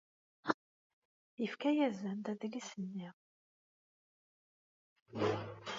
Yefka-asen-d adlis-nni.